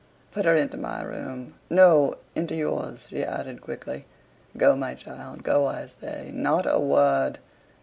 "Put her into my room no, into yours," she added quickly. "Go, my child: go, I say: not a word!"